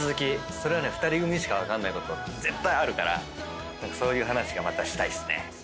２人組にしか分かんないこと絶対あるからそういう話がまたしたいっすね。